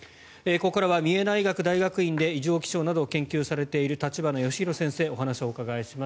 ここから三重大学大学院で異常気象などを研究されている立花義裕先生にお話をお伺いします。